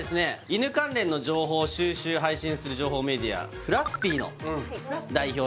犬関連の情報を収集配信する情報メディア「ＦＬＡＦＦＹ」の代表